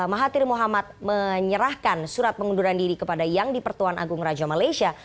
mahathir mohamad menyerahkan surat pengunduran diri kepada yang di pertuan agung raja malaysia